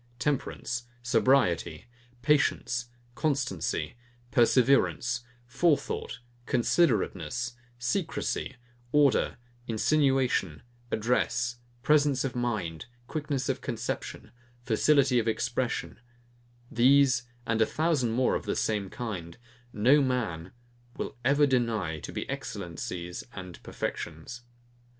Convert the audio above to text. TEMPERANCE, SOBRIETY, PATIENCE, CONSTANCY, PERSEVERANCE, FORETHOUGHT, CONSIDERATENESS, SECRECY, ORDER, INSINUATION, ADDRESS, PRESENCE OF MIND, QUICKNESS OF CONCEPTION, FACILITY OF EXPRESSION, these, and a thousand more of the same kind, no man will ever deny to be excellencies and perfections.